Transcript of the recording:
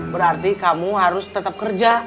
berarti kamu harus tetap kerja